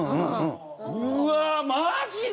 うわあマジで！？